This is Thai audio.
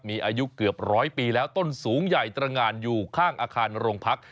มีอายุเกือบร้อยปีแล้วต้นสูงใหญ่ตรงานอยู่ข้างอาคารโรงพัก